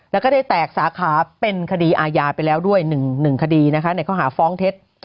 แล้วก็ได้แตกสาขาเป็นคดีอาญาไปแล้วด้วย๑คดีนะคะในข้อหาฟ้องเท็จ